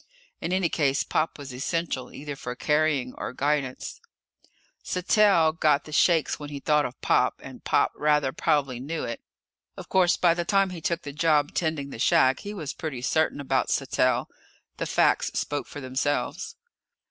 In any case Pop was essential, either for carrying or guidance. Sattell got the shakes when he thought of Pop, and Pop rather probably knew it. Of course, by the time he took the job tending the shack, he was pretty certain about Sattell. The facts spoke for themselves.